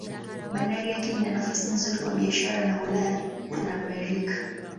Bandari yake ina nafasi nzuri kwa biashara na Ulaya na Amerika.